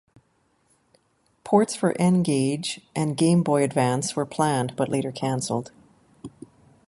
Ports for N-Gage and Game Boy Advance were planned, but later canceled.